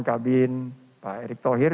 kabin pak erik thohir